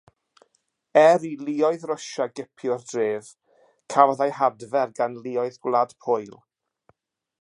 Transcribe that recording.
Er i luoedd Rwsia gipio'r dref, cafodd ei hadfer gan luoedd Gwlad Pwyl.